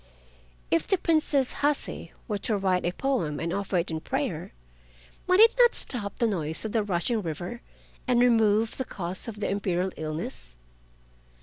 If the Princess Hase were to write a poem and offer it in prayer, might it not stop the noise of the rushing river and remove the cause of the Imperial illness?